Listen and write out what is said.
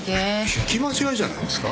聞き間違いじゃないですか？